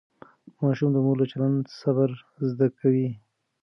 ماشوم د مور له چلند صبر زده کوي.